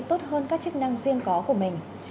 tốt hơn các chức năng riêng có của mình